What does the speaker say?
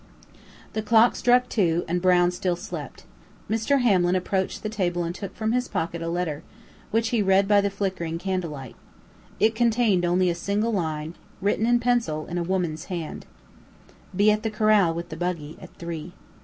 The clock struck two, and Brown still slept. Mr. Hamlin approached the table and took from his pocket a letter, which he read by the flickering candlelight. It contained only a single line, written in pencil, in a woman's hand: "Be at the corral, with the buggy, at three."